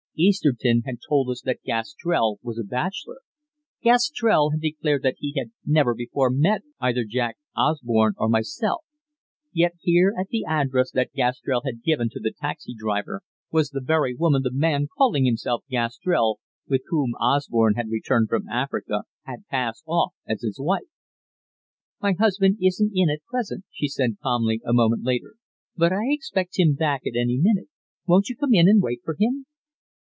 Easterton had told us that Gastrell was a bachelor. Gastrell had declared that he had never before met either Jack Osborne or myself. Yet here at the address that Gastrell had given to the taxi driver was the very woman the man calling himself Gastrell, with whom Osborne had returned from Africa, had passed off as his wife. "My husband isn't in at present," she said calmly, a moment later, "but I expect him back at any minute. Won't you come in and wait for him?"